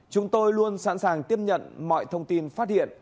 chúng tôi luôn sẵn sàng tiếp nhận mọi thông tin phát hiện